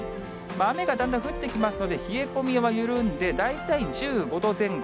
雨がだんだん降ってきますので、冷え込みは緩んで、大体１５度前後。